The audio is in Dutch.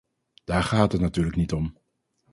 Daar gaat het natuurlijk niet om.